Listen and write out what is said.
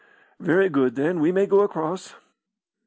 "Very good, then we may go across."